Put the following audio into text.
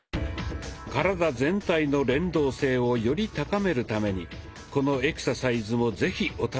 体全体の連動性をより高めるためにこのエクササイズも是非お試し下さい。